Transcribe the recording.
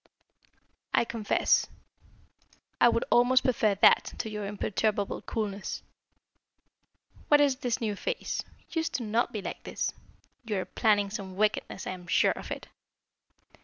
"I confess, I would almost prefer that to your imperturbable coolness. What is this new phase? You used not to be like this. You are planning some wickedness. I am sure of it."